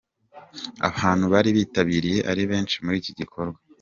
Abantu bari bitabiriye ari benshi muri iki gikorwa.